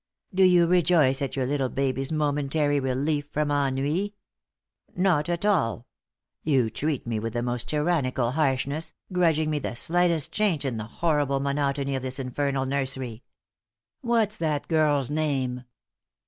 Do you rejoice at your little baby's momentary relief from ennui? Not at all; you treat me with the most tyrannical harshness, grudging me the slightest change in the horrible monotony of this infernal nursery. What's that girl's name?"